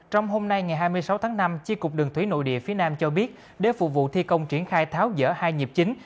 trong hôm nay ngày hai mươi sáu tháng năm chi cục đường thủy nội địa phía nam cho biết để phục vụ thi công triển khai tháo dỡ hai nhịp chính